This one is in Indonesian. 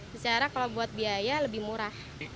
secara kalau buat biaya lebih murah